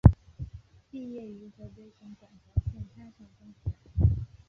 毕业于河北省馆陶县滩上中学。